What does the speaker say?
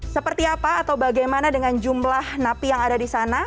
seperti apa atau bagaimana dengan jumlah napi yang ada di sana